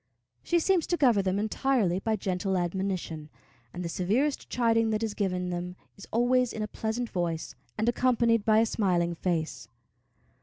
She seems to govern them entirely by gentle admonition, and the severest chiding that is given them is always in a pleasant voice, and accompanied by a smiling face.